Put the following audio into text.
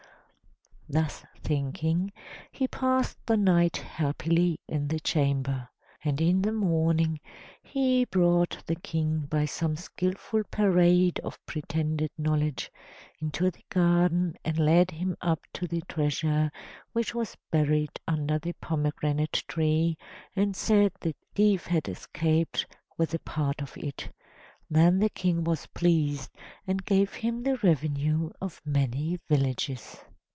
Thus thinking, he passed the night happily in the chamber. And in the morning he brought the King, by some skilful parade of pretended knowledge, into the garden and led him up to the treasure, which was buried under the pomegranate tree, and said the thief had escaped with a part of it. Then the King was pleased, and gave him the revenue of many villages.